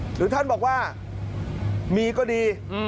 หรือท่านบอกว่ามีก็ดี